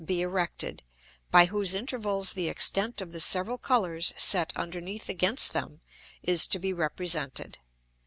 be erected, by whose Intervals the Extent of the several Colours set underneath against them, is to be represented.